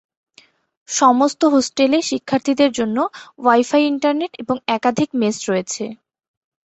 সমস্ত হোস্টেলে শিক্ষার্থীদের জন্য ওয়াই-ফাই ইন্টারনেট এবং একাধিক মেস রয়েছে।